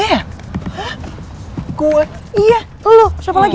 iya lu siapa lagi